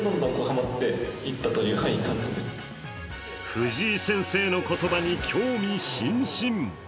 藤井先生の言葉に興味津々。